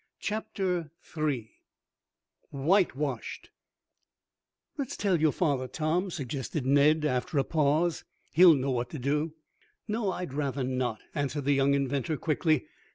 Chapter 3 Whitewashed "Let's tell your father, Tom," suggested Ned, after a pause. "He'll know what to do." "No, I'd rather not," answered the young inventor quickly.